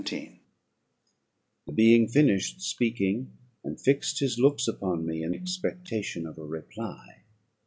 The being finished speaking, and fixed his looks upon me in expectation of a reply.